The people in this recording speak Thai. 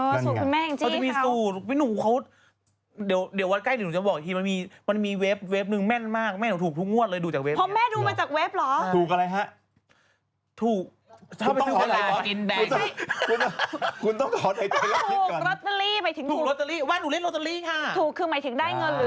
คุณต้องขอใจเตรียมนี้ก่อนถูกรอตเตอรี่หมายถึงถูกรอตเตอรี่ว่าหนูเล่นรอตเตอรี่ค่ะถูกคือหมายถึงได้เงินหรือโดนกินถูก๓ตัว๒ตัว๕อะไรแบบนี้ค่ะโอ้คุณถูกตลอด